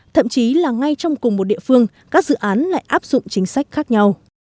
thậm chí là ngay trong cùng một địa phương các dự án lại áp dụng chính sách khác nhau